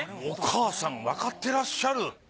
お母さんわかってらっしゃる。